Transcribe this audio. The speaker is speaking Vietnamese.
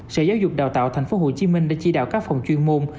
sở giáo dục đào tạo tp hcm đã chỉ đạo các phòng chuyên môn